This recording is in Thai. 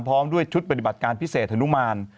พร้อมด้วยชุดปฏิบัติการพิเศษฮนุมาน